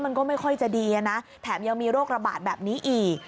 มันก็ไม่ค่อยจะดีนะแถมยังมีโรคระบาดแบบนี้อีก